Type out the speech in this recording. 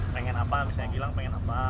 pengen apa misalnya gilang pengen apa